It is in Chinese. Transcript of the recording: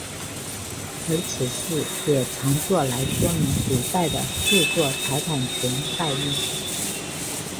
而此事也常作来说明古代的着作财产权概念。